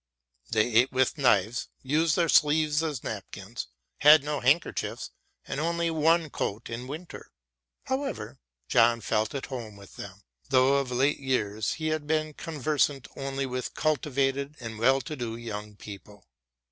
They ate with knives, used their sleeves as napkins, had no handkerchiefs and only one coat in winter. However, John felt at home with them, though of late years he had been conversant only with cultivated and well to do young people.